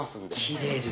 切れる。